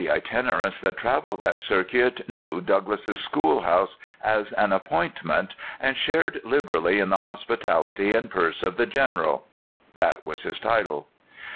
All the itinerants that traveled that circuit knew *' Doug lass's Schoolhouse" as an appointment, and shared liberally in the hospitality and purse of the General. (That was his title.)